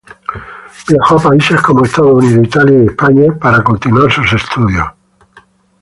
Viajó a países como Estados Unidos, Italia y España para continuar sus estudios.